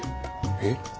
えっ？